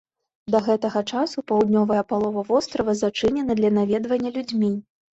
Да гэтага часу паўднёвая палова вострава зачынена для наведвання людзьмі.